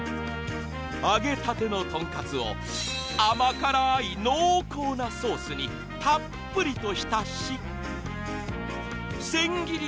揚げたてのトンカツを甘辛い濃厚なソースにたっぷりとひたしせん切り